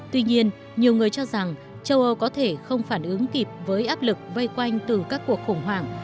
tuy nhiên nhiều người cho rằng châu âu có thể không phản ứng kịp với áp lực vây quanh từ các cuộc khủng hoảng